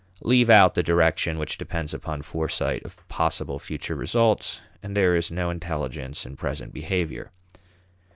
Leave out the direction which depends upon foresight of possible future results, and there is no intelligence in present behavior.